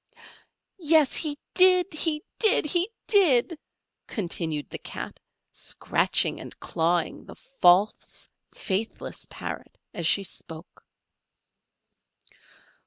"Yes, he did he did he did," continued the Cat, scratching and clawing the false, faithless Parrot as she spoke.